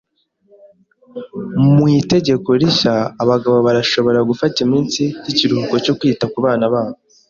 Mu itegeko rishya, abagabo barashobora gufata iminsi y'ikiruhuko cyo kwita ku bana babo.